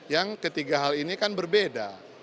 yang ketiga hal ini kan berbeda